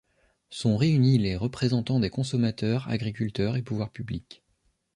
Sont réunis les représentants des consommateurs, agriculteurs et pouvoirs publics.